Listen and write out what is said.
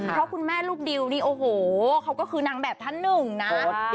เพราะคุณแม่ลูกดิวนี่โอ้โหเขาก็คือนางแบบท่านหนึ่งนะ